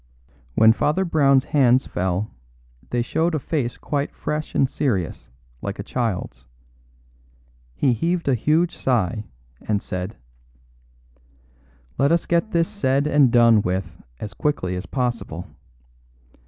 When Father Brown's hands fell they showed a face quite fresh and serious, like a child's. He heaved a huge sigh, and said: "Let us get this said and done with as quickly as possible.